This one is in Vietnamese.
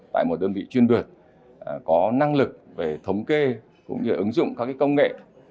tại một đơn vị chuyên vượt có năng lực về thống kê cũng như ứng dụng các công nghệ